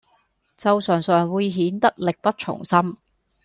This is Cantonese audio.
就常常會顯得力不從心